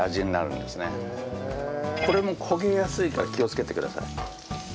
これも焦げやすいから気をつけてください。